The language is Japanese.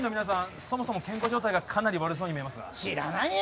そもそも健康状態がかなり悪そうに見えますが知らないよ